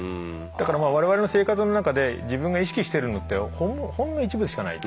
だから我々の生活の中で自分が意識してるのってほんの一部でしかない。